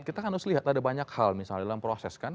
kita kan harus lihat ada banyak hal misalnya dalam proses kan